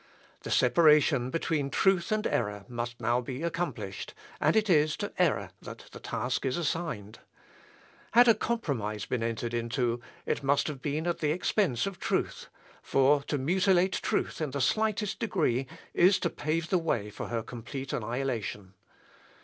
The separation between truth and error must now be accomplished, and it is to error that the task is assigned. Had a compromise been entered into, it must have been at the expense of truth; for to mutilate truth in the slightest degree is to pave the way for her complete annihilation.